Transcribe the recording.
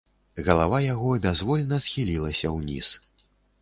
Галава яго бязвольна схілілася ўніз.